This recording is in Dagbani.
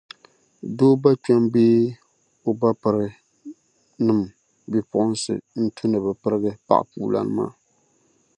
Doo bakpɛma bee o bapirinima bipugiŋsi n-tu ni bɛ pirigi paɣapuulan maa